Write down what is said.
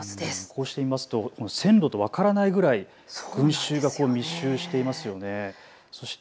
こうして見ますと線路と分からないぐらい群集が密集していますよね。